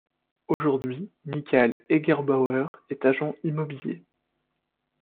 Aujourd'hui Michael Eggerbauer est agent immobilier.